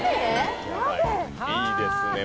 いいですね